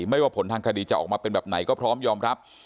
ว่าผลทางคดีจะออกมาเป็นแบบไหนก็พร้อมยอมรับ